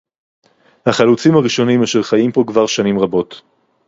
ה“חלוצים” הראשונים, אשר חיים פה כבר שנים רבות.